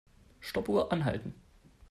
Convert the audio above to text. Stoppuhr anhalten.